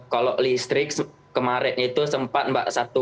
kalau listrik kemarin itu sempat mbak satu jauh